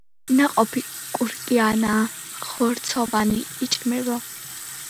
ნაყოფი კურკიანაა, ხორცოვანი, იჭმება.